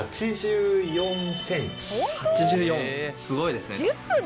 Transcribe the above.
８４すごいですね。